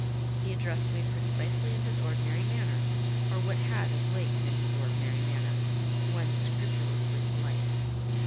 He addressed me precisely in his ordinary manner, or what had, of late, been his ordinary manner—one scrupulously polite.